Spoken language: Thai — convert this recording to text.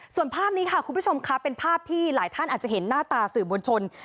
ส่วนภาพนี้ค่ะคุณผู้ชมค่ะเป็นภาพที่หลายท่านอาจจะเห็นหน้าตาสื่อมวลชน